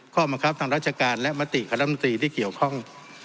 ข้อมันครับทางราชการและมติคัตรรัฐมนตรีที่เกี่ยวข้อง